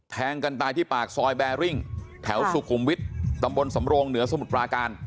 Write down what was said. แทงกันตายที่ปากซอยแบริ่งแถวสุขุมวิทย์ตำบลสำโรงเหนือสมุทรปราการ